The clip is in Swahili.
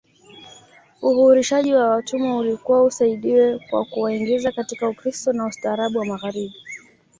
Uhurishaji wa watumwa ulikuwa usaidiwe kwa kuwaingiza katika Ukristo na ustaarabu wa Magharibi